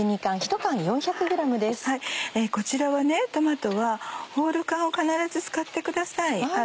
こちらトマトはホール缶を必ず使ってください。